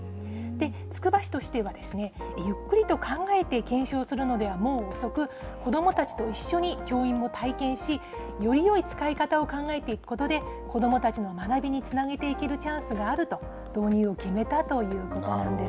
つくば市としてはですねゆっくりと考えて検証するのでは、もう遅く子どもたちと一緒に教員も体験しよりよい使い方を考えていくことで子どもたちの学びにつなげていけるチャンスがあると導入を決めたということなんです。